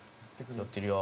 寄ってるよ。